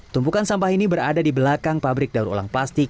tumpukan sampah ini berada di belakang pabrik daur ulang plastik